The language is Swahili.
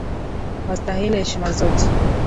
Wastahili heshima zote.